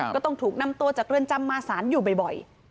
ก็ต้องถูกนำตัวจากเรือนจำมาศาลอยู่บ่อย